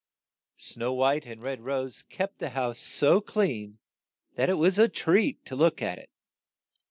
Snow White and Red Rose kept the house so clean that it was a treat to look at it.